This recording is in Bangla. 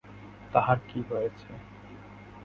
তাহার কি হয়েছে!